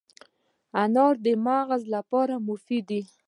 انار د مغز لپاره مفید دی.